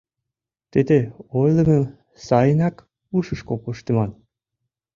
— Тиде ойлымым сайынак ушышко пыштыман.